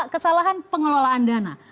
kesalahan pengelolaan dana